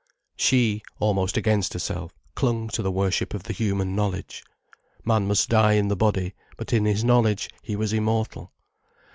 She, almost against herself, clung to the worship of the human knowledge. Man must die in the body, but in his knowledge he was immortal.